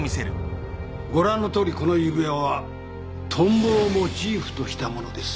ご覧のとおりこの指輪はトンボをモチーフとした物です。